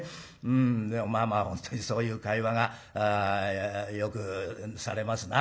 でもまあまあ本当にそういう会話がよくされますな。